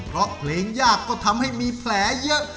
เพราะเพลงยากก็ทำให้มีแผลเยอะ